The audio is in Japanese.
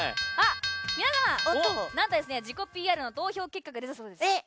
皆さん、なんとですね自己ＰＲの投票率が結果が出たそうです。